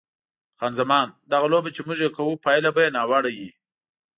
خان زمان: دغه لوبه چې موږ یې کوو پایله به یې ناوړه وي.